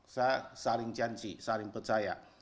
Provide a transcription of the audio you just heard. saya saling janji saling percaya